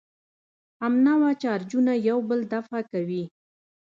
همنوع چارجونه یو بل دفع کوي.